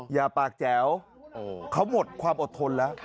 อย่าปากแจ๋วเขาหมดความอดทนแล้ว